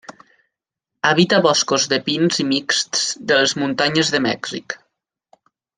Habita boscos de pins i mixts de les muntanyes de Mèxic.